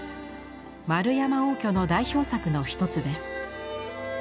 円山応挙の代表作の一つです。